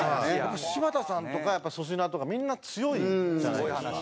柴田さんとか粗品とかみんな強いじゃないですか。